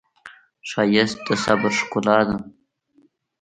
ښایست د صبر ښکلا ده